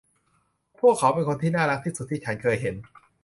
พวกเขาเป็นคนที่น่ารักที่สุดที่ฉันเคยเห็น